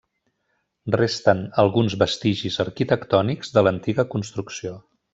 Resten alguns vestigis arquitectònics de l'antiga construcció.